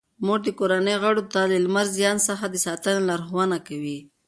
مور د کورنۍ غړو ته د لمر د زیان څخه د ساتنې لارښوونه کوي.